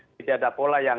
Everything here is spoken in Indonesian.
tidak ada pola yang